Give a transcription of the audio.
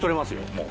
もう。